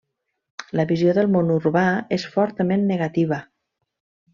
La visió del món urbà és fortament negativa.